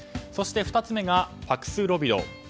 そして２つ目がパクスロビド。